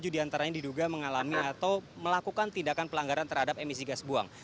tujuh diantaranya diduga mengalami atau melakukan tindakan pelanggaran terhadap emisi gas buang